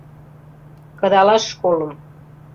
— Кыдалаш школым.